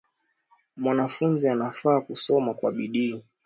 Mwanafunzi anafaa kusoma Kwa bidii.